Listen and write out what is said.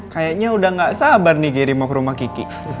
kayaknya udah gak sabar nih giri mok rumah kiki